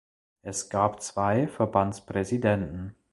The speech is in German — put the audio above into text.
Es gab zwei Verbandspräsidenten.